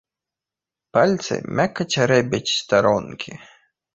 Пальцы мякка цярэбяць старонкі.